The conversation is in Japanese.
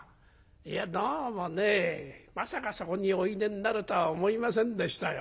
いやどうもねまさかそこにおいでになるとは思いませんでしたよ」。